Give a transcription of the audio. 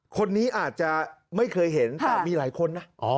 คนนี้อาจจะไม่เคยเห็นแต่มีหลายคนนะ